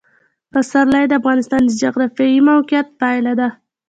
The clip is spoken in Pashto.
پسرلی د افغانستان د جغرافیایي موقیعت پایله ده.